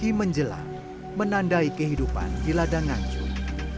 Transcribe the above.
imenjelang menandai kehidupan di ladang nganjung